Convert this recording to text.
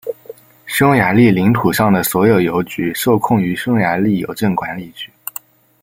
匈牙利领土上的所有邮局受控于匈牙利邮政管理局。